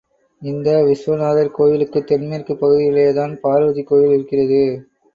இந்த விஸ்வநாதர் கோயிலுக்கு தென்மேற்குப் பகுதியிலேதான் பார்வதி கோயில் இருக்கிறது.